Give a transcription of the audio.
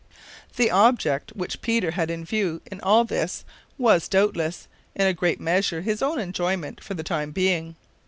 The object which Peter had in view in all this was, doubtless, in a great measure, his own enjoyment for the time being.